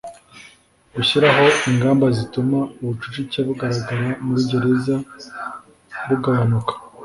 Gushyiraho Ingamba Zituma Ubucucike Bugaragara Muri Gereza Bugabanuka